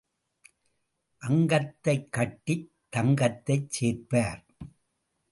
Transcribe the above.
அங்கத்தைக் கட்டித் தங்கத்தைச் சேர்ப்பார்.